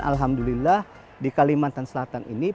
alhamdulillah di kalimantan selatan ini